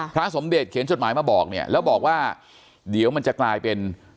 พระสมเดชเขียนจดหมายมาบอกเนี่ยแล้วบอกว่าเดี๋ยวมันจะกลายเป็น